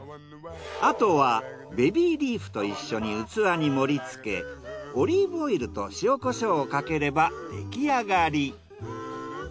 あとはベビーリーフと一緒に器に盛りつけオリーブオイルと塩コショウをかければ出来上がり。